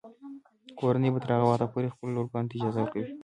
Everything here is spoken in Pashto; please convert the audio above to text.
کورنۍ به تر هغه وخته پورې خپلو لورګانو ته اجازه ورکوي.